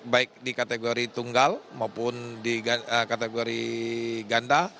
baik di kategori tunggal maupun di kategori ganda